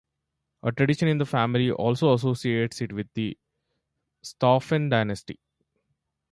A tradition in the family also associates it with the Staufen dynasty.